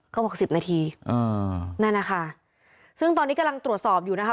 เขาบอกสิบนาทีอ่านั่นนะคะซึ่งตอนนี้กำลังตรวจสอบอยู่นะคะ